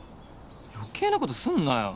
余計なことすんなよ